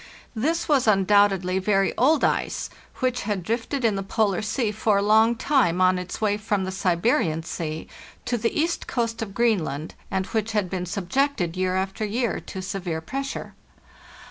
This was undoubtedly very old ice, which had drifted in the Polar Sea for a long time on its way from the Siberian Sea to the east coast of Green land, and which had been subjected year after year to severe pressure.